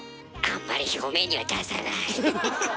あんまり表面には出さない。